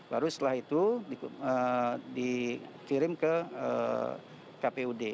lalu setelah itu dikirim ke kpud